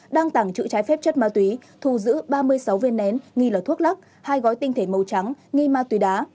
đang tàng trữ trái phép chất ma túy thu giữ ba mươi sáu viên nén nghi là thuốc lắc hai gói tinh thể màu trắng nghi ma túy đá